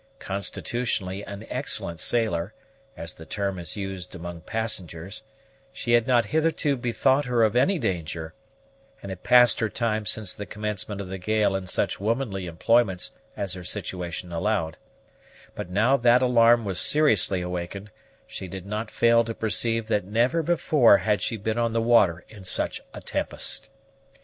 Constitutionally an excellent sailor, as the term is used among passengers, she had not hitherto bethought her of any danger, and had passed her time since the commencement of the gale in such womanly employments as her situation allowed; but now that alarm was seriously awakened, she did not fail to perceive that never before had she been on the water in such a tempest.